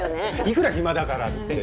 いくら暇だからって。